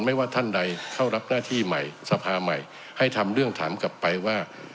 ว่าท่านใดเข้ารับหน้าที่ใหม่สภาใหม่ให้ทำเรื่องถามกลับไปว่า